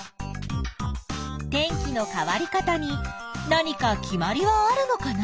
天気の変わり方に何か決まりはあるのかな？